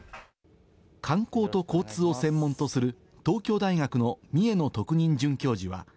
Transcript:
観光と交通を専門とする東京大学の三重野特任准教授は。